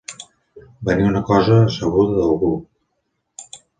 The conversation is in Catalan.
Venir una cosa a sabuda d'algú.